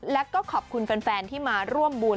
แล้วก็ขอบคุณแฟนที่มาร่วมบุญ